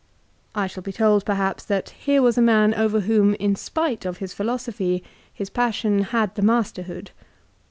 I shall be told, perhaps, that here was a man over whom, in spite of his philosophy, his passion had the masterhood.